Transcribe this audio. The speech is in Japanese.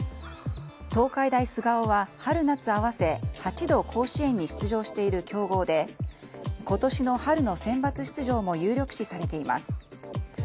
東海大菅生は春夏合わせ８度甲子園に出場している強豪で今年春のセンバツ出場も有力視されています。